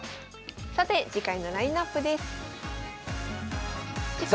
さて次回のラインナップです。